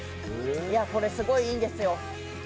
これ、すごい、いいんですよ。